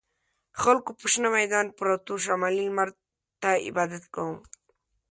خلکو په شنه میدان پروتو شمالي لمر ته عبادت کاوه.